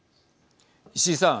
石井さん。